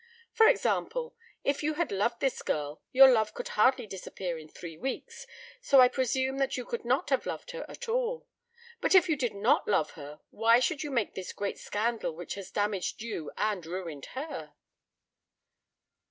For example, if you had loved this girl your love could hardly disappear in three weeks, so I presume that you could not have loved her at all. But if you did not love her why should you make this great scandal which has damaged you and ruined her?"